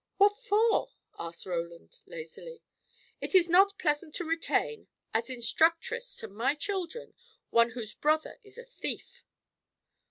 "What for?" asked Roland, lazily. "It is not pleasant to retain, as instructress to my children, one whose brother is a thief."